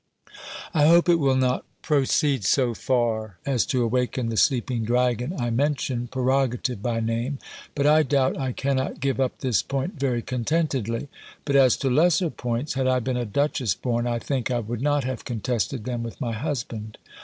I hope it will not proceed so far as to awaken the sleeping dragon I mentioned. Prerogative by name; but I doubt I cannot give up this point very contentedly. But as to lesser points, had I been a duchess born, I think I would not have contested them with my husband.